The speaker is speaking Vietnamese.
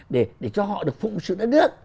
để cho họ được phụng sự đất nước